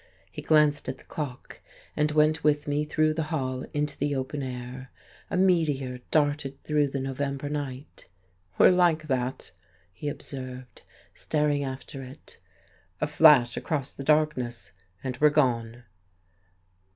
He glanced at the clock, and went with me through the hall into the open air. A meteor darted through the November night. "We're like that," he observed, staring after it, a "flash across the darkness, and we're gone."